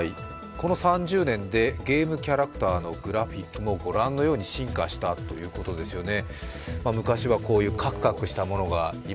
この３０年でゲームキャラクターのグラフィックもご覧のように進化したということですよね。